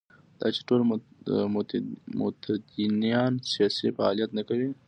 دا چې ټول متدینان سیاسي فعالیت نه کوي.